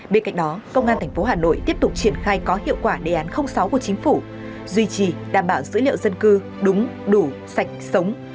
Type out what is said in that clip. bên cạnh đó công an tp hà nội tiếp tục triển khai có hiệu quả đề án sáu của chính phủ duy trì đảm bảo dữ liệu dân cư đúng đủ sạch sống